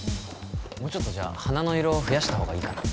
もうちょっとじゃあ花の色増やしたほうがいいかな？